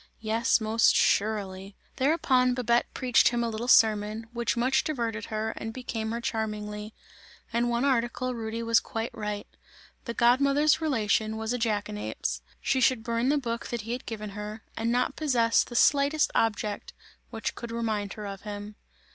Yes, most surely! Thereupon Babette preached him a little sermon, which much diverted her and became her charmingly; in one article Rudy was quite right; the god mother's relation was a jackanapes! She should burn the book that he had given her, and not possess the slightest object which could remind her of him.